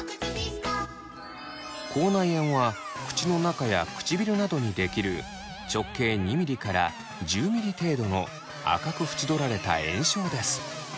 口内炎は口の中や唇などに出来る直径２ｍｍから１０ｍｍ程度の赤く縁取られた炎症です。